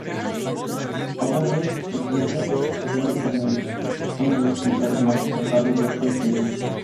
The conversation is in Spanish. Overbeck y Peter von Cornelius son los dos pintores más destacados de este estilo.